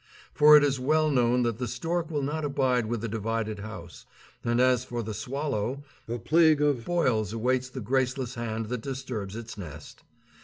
For it is well known that the stork will not abide with a divided house; and as for the swallow, a plague of boils awaits the graceless hand that disturbs its nest.